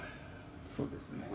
そうですね。